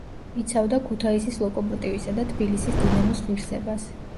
იცავდა ქუთაისის „ლოკომოტივისა“ და თბილისის „დინამოს“ ღირსებას.